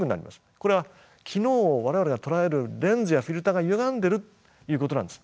これは昨日を我々が捉えるレンズやフィルターがゆがんでるということなんです。